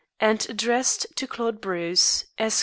and addressed to Claude Bruce, Esq.